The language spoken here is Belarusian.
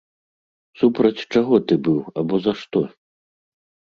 Супраць чаго ты быў або за што?